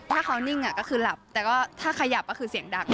ถ้าเขานิ่งก็คือหลับแต่ก็ถ้าขยับก็คือเสียงดัง